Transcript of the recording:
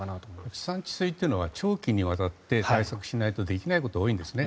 治山治水というのは長期にわたって対策をしないとできないことが多いんですね。